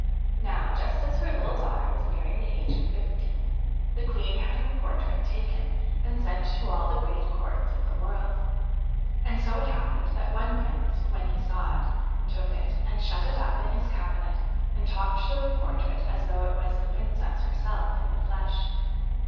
Now, just as her little daughter was nearing the age of fifteen, the Queen had her portrait taken and sent to all the great courts of the world. And so it happened that one Prince, when he saw it, took it and shut it up in his cabinet and talked to the portrait as though it was the Princess herself in the flesh.